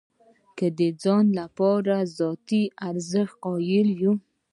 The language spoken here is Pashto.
که د ځان لپاره ذاتي ارزښت قایل یو.